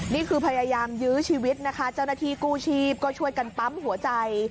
นี่คือพยายามยื้อชีวิตนะคะเจ้าหน้าที่กู้ชีพก็ช่วยกันปั๊มหัวใจ